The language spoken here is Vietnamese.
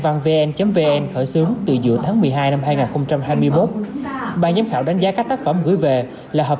văn vn khởi xướng từ giữa tháng một mươi hai năm hai nghìn hai mươi một ban giám khảo đánh giá các tác phẩm gửi về là hợp